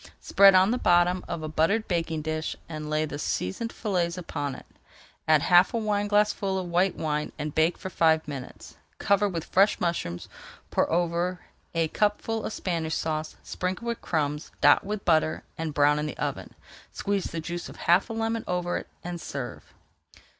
Spread on the bottom of a buttered baking dish and lay the seasoned fillets upon it. Add half a wineglassful of white wine and bake for five minutes. Cover with fresh mushrooms, pour over a cupful of Spanish Sauce, sprinkle with crumbs, dot with butter, and brown in the oven. Squeeze the juice of half a lemon over it and serve.